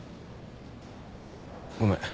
ごめん。